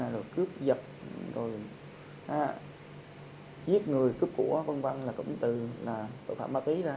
rồi cướp giật rồi giết người cướp của vân vân là cũng từ tội phạm ma túy ra